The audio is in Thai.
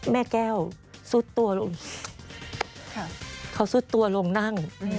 แม่แก้วซุดตัวลงนั่ง